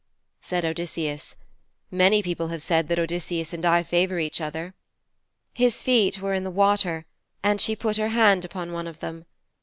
Said Odysseus, 'Many people have said that Odysseus and I favour each other.' His feet were in the water, and she put her hand upon one of them.